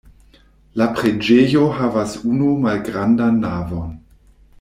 La preĝejo havas unu malgrandan navon.